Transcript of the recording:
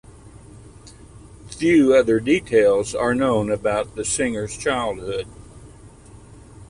Few other details are known about the singer's childhood.